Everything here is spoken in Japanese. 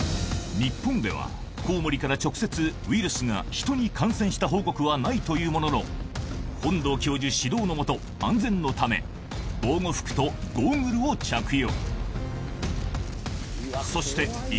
日本では、コウモリから直接ウイルスが人に感染した報告はないというものの、本道教授指導の下、安全のため、防護服とゴーグルを着用。